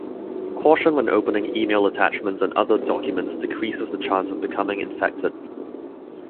Caution when opening email attachments and other documents decreases the chance of becoming infected.